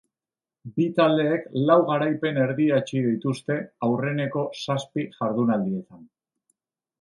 Bi taldeek lau garaipen erdietsi dituzte aurreneko zazpi jardunaldietan.